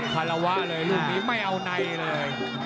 คารวะเลยลูกนี้ไม่เอาในเลย